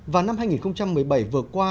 và năm hai nghìn một mươi bảy vừa qua